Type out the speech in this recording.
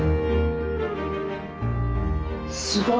すごい。